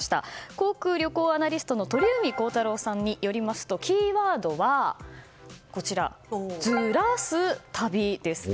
航空・旅行アナリストの鳥海高太朗さんによりますとキーワードは、ずらす旅です。